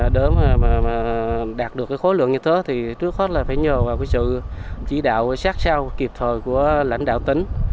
để đạt được khối lượng như thế trước hết phải nhờ vào sự chỉ đạo sát sao kịp thời của lãnh đạo tính